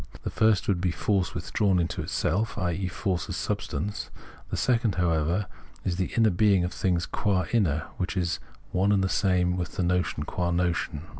The first Vt^ould be force withdrawn into itself, i.e. force as substance ; the second, however, is the inner being of things qua imier, which is one and the same with the notion qua notion.